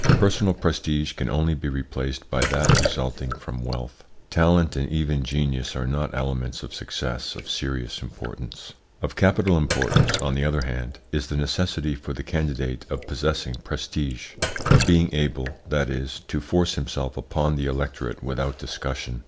Personal prestige can only be replaced by that resulting from wealth. Talent and even genius are not elements of success of serious importance. Of capital importance, on the other hand, is the necessity for the candidate of possessing prestige, of being able, that is, to force himself upon the electorate without discussion.